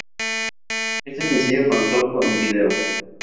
Este sencillo contó con vídeo.